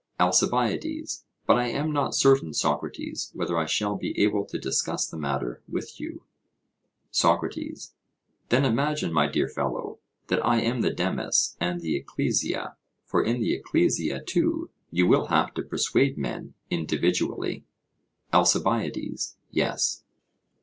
ALCIBIADES: But I am not certain, Socrates, whether I shall be able to discuss the matter with you. SOCRATES: Then imagine, my dear fellow, that I am the demus and the ecclesia; for in the ecclesia, too, you will have to persuade men individually. ALCIBIADES: Yes.